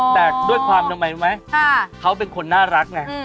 แต่ด้วยความทำไมรู้ไหมเขาเป็นคนน่ารักไง